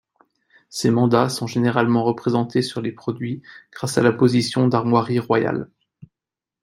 Ces mandats sont généralement représentés sur les produits grâce à l'apposition d'armoiries royales.